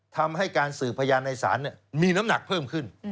ทำให้การสืบพยานในศาลมีน้ำหนักเพิ่มขึ้น